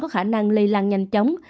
có khả năng lây lan nhanh chóng